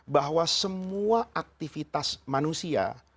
bahwa semua aktivitas manusia